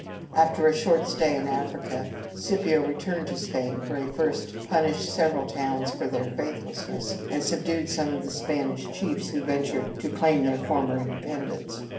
After a short stay in Africa, Scipio returned to Spain, where he first punished several towns for their faithlessness, and subdued some of the Spanish chiefs who ventured to claim their former independence.